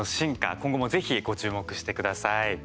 今後もぜひ、ご注目してください。